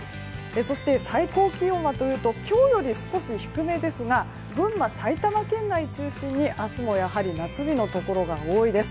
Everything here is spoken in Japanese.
最高気温はというと今日より少し低めですが群馬、埼玉県内中心に明日、夏日のところが多いです。